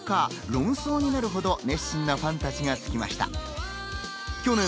論争になるほど、熱心なファンたちがいました。